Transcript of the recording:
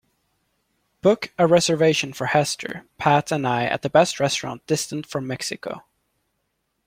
Book a reservation for hester, pat and I at the best restaurant distant from Mexico